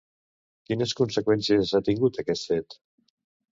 Quines conseqüències ha tingut, aquest fet?